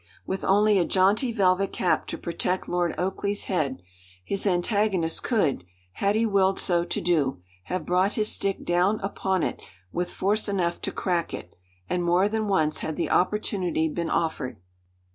With only a jaunty velvet cap to protect Lord Oakleigh's head, his antagonist could, had he willed so to do, have brought his stick down upon it with force enough to crack it; and more than once had the opportunity been offered.